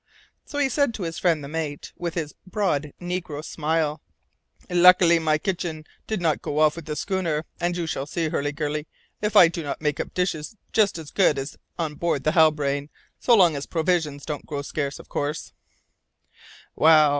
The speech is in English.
So he said to his friend the mate, with his broad negro smile, "Luckily my kitchen did not go off with the schooner, and you shall see, Hurliguerly, if I do not make up dishes just as good as on board the Halbrane, so long as provisions don't grow scarce, of course " "Well!